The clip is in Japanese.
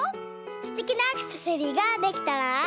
すてきなアクセサリーができたら。